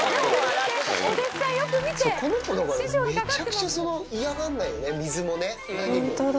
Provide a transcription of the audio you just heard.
この子、めちゃくちゃ嫌がんないよね、水も、何もね。